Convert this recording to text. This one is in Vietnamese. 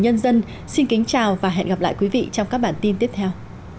nhân dân xin kính chào và hẹn gặp lại quý vị trong các bản tin tiếp theo